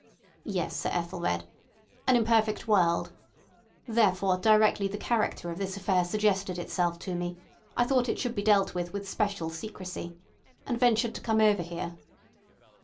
"Yes, Sir Ethelred—An imperfect world. Therefore directly the character of this affair suggested itself to me, I thought it should be dealt with with special secrecy, and ventured to come over here."